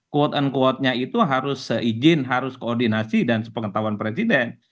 quote unquote nya itu harus seizin harus koordinasi dan sepengetahuan presiden